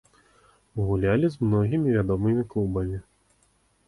Гулялі з многімі вядомымі клубамі.